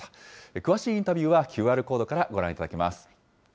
詳しいインタビューはＱＲコードからご覧いただけます。